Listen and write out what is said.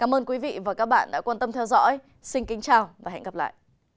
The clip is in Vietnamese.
xin kính chào và hẹn gặp lại